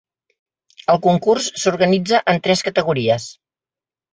El concurs s’organitza en tres categories.